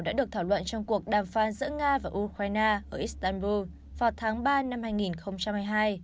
đã được thảo luận trong cuộc đàm phán giữa nga và ukraine ở istanbu vào tháng ba năm hai nghìn hai mươi hai